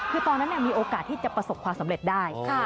คือตอนนั้นมีโอกาสที่จะประสบความสำเร็จได้